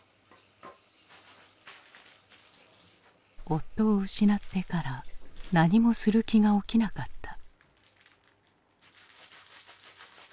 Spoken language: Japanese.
夫を失ってから何もする気が起きなかった。